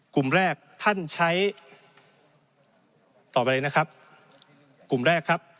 กลุ่มแรกท่านใช้ต่อไปเลยนะครับกลุ่มแรกครับ